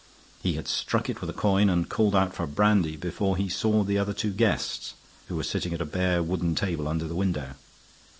He had struck it with a coin and called out for brandy before he saw the other two guests, who were sitting at a bare wooden table under the window.